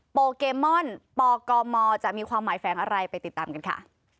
โปเกมอนปกมจะมีความหมายแฝงอะไรไปติดตามกันค่ะ